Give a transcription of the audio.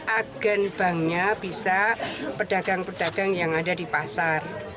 agen banknya bisa pedagang pedagang yang ada di pasar